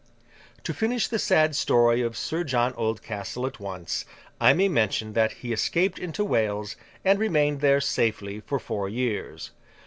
To finish the sad story of Sir John Oldcastle at once, I may mention that he escaped into Wales, and remained there safely, for four years.